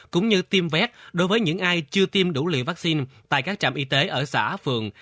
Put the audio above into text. cũng như tiêm vét đối với những ai chưa tiêm đủ liều vaccine tại các trạm y tế ở xã phường